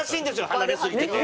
離れすぎてて。